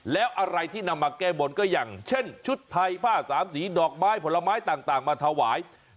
แล้วอะไรที่นำมาแก้บนก็อย่างเช่นชุดไทยผ้าสามสีดอกไม้ผลไม้ต่างมาถวาย